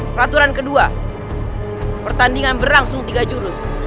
peraturan kedua pertandingan berlangsung tiga jurus